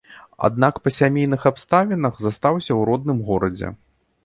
Аднак па сямейных абставінах застаўся ў родным горадзе.